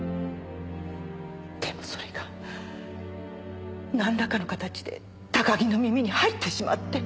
でもそれがなんらかの形で高木の耳に入ってしまって。